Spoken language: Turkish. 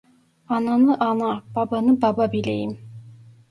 Ananı ana, babanı baba bileyim…